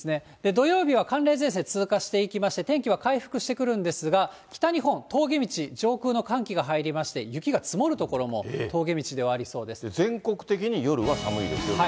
土曜日は寒冷前線通過していきまして、天気は回復してくるんですが、北日本、峠道、上空の寒気が入りまして、雪が積もる所も、全国的に夜は寒いですよと。